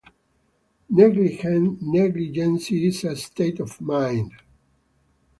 Negligence is a state of mind.